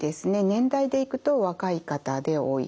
年代でいくと若い方で多い。